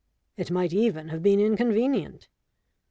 It might even have been inconvenient.